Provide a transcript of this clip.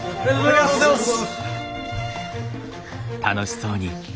ありがとうございます！